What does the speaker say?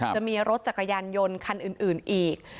จะมีรถจักรยานยนต์คันอื่นอีก